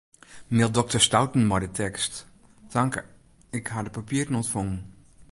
Mail dokter Stouten mei de tekst: Tanke, ik ha de papieren ûntfongen.